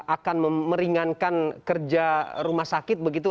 akan meringankan kerja rumah sakit begitu